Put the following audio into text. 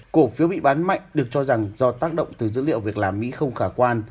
cổ phiếu bị bán mạnh được cho rằng do tác động từ dữ liệu việc làm mỹ không khả quan